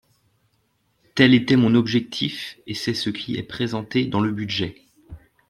Tel était mon objectif et c’est ce qui est présenté dans le budget.